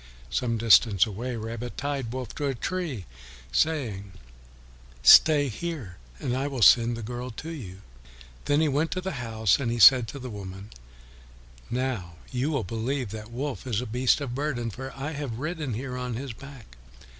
Some distance away, Rabbit tied Wolf to a tree, saying, "Stay here and I will send the girl to you." Then he went to the house, and he said to the woman, "Now you will believe that Wolf is a beast of burden, for I have ridden here on his back."